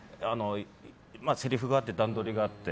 せりふがあって、段取りがあって。